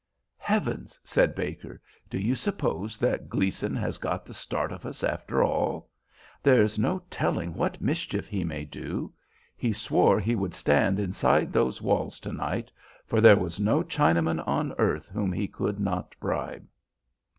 "Heavens!" said Baker. "Do you suppose that Gleason has got the start of us after all? There's no telling what mischief he may do. He swore he would stand inside those walls to night, for there was no Chinaman on earth whom he could not bribe."